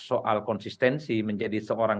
soal konsistensi menjadi seorang